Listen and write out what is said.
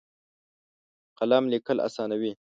قلم لیکل اسانوي.